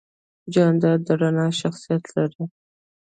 جانداد د رڼا شخصیت لري.